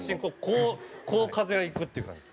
こうこう風がいくっていう感じ。